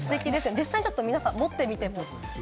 実際皆さん持ってみて。